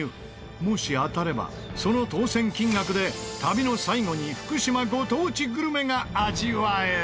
もし当たればその当せん金額で旅の最後に福島ご当地グルメが味わえる。